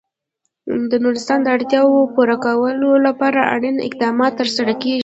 د نورستان د اړتیاوو پوره کولو لپاره اړین اقدامات ترسره کېږي.